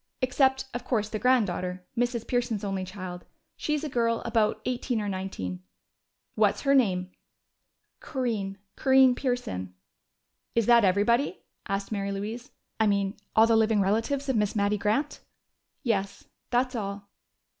Except, of course, the granddaughter Mrs. Pearson's only child. She's a girl about eighteen or nineteen." "What's her name?" "Corinne Corinne Pearson." "Is that everybody?" asked Mary Louise. "I mean, all the living relatives of Miss Mattie Grant?" "Yes, that's all."